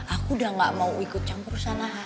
aku udah gak mau ikut campur sanahan